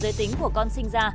giới tính của con sinh ra